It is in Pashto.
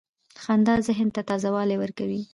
• خندا ذهن ته تازه والی ورکوي.